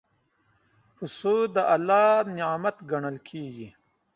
پسه د الله نعمت ګڼل کېږي.